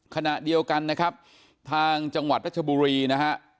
ขณะเดียวกันนะครับทางจังหวัดรัชบุรีนะฮะ